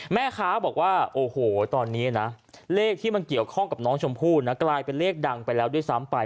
แม่ค้าบอกว่าโอ้โหตอนนี้นะเลขที่มันเกี่ยวข้องกับน้องชมพู่นะกลายเป็นเลขดังไปแล้วด้วยซ้ำไป